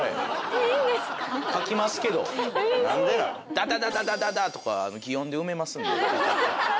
「ダダダダダダ」とか擬音で埋めますんで。